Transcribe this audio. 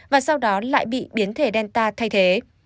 và sau đó lại bị biến thể delta thay thế